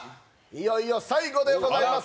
いよいよ最後でございます